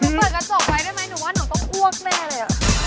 เปิดกระจกไว้ได้ไหมหนูว่าหนูต้องอ้วกแม่เลย